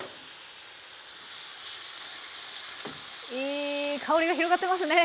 いい香りが広がってますね